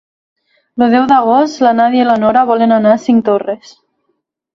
El deu d'agost na Nàdia i na Nora volen anar a Cinctorres.